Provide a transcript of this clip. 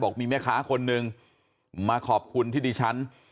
บอกมีเมื้อค้าคนหนึ่งมาขอบคุณที่ดิฉัน